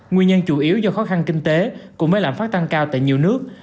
nguyên nhân chủ yếu do khó khăn kinh tế cũng mới làm phát tăng cao tại nhiều nước